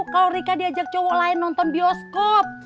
kalau rika diajak coba lain nonton bioskop